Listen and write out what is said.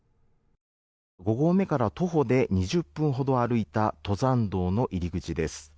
５合目から徒歩で２０分ほど歩いた登山道の入り口です。